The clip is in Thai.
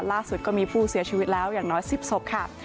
ล่าสุดก็มีผู้เสียชีวิตแล้วอย่างน้อย๑๐ศพค่ะ